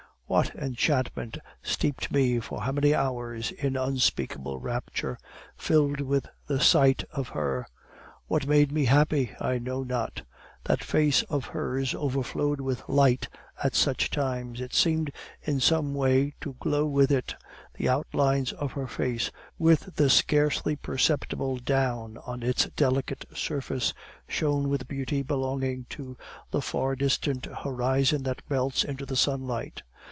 What enchantment steeped me for how many hours in unspeakable rapture, filled with the sight of Her! What made me happy? I know not. That face of hers overflowed with light at such times; it seemed in some way to glow with it; the outlines of her face, with the scarcely perceptible down on its delicate surface, shone with a beauty belonging to the far distant horizon that melts into the sunlight.